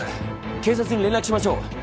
警察に連絡しましょう。